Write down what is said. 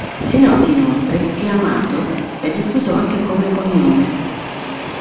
Si noti inoltre che Amato è diffuso anche come cognome.